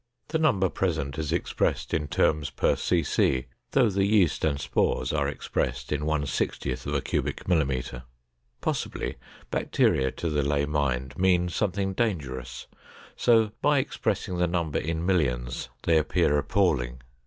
The number present is expressed in terms per cc though the yeast and spores are expressed in 1 60 c mm. Possibly bacteria to the lay mind mean something dangerous, so by expressing the numbers in millions they appear appalling.